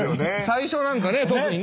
最初なんか特にね。